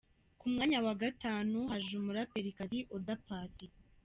Ku mwanya wa Gatanu haje umuraperikazi Oda Paccy.